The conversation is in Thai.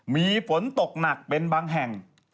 มีฝนตกหนักเป็นบางแห่ง